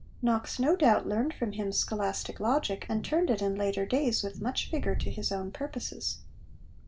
Knox no doubt learned from him scholastic logic, and turned it in later days with much vigour to his own purposes.